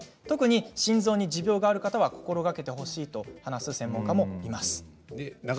特に心臓に持病がある方は心がけてほしいと話す先生もいます。